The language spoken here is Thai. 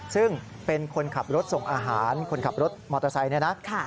ซึ่งเป็นคนขับรถส่งอาหารคนขับรถมอเตอร์ไซค์เนี่ยนะ